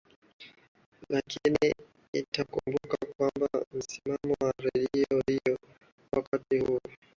lakini itakumbukwa kwamba msimamizi wa redio hiyo wakati huo